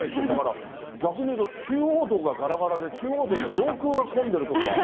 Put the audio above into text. だから逆に言うと、中央道ががらがらで、中央道の上空が混んでるとか。